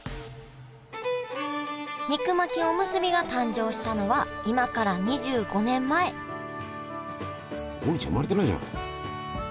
肉巻きおむすびが誕生したのは今から２５年前王林ちゃん生まれてないじゃん。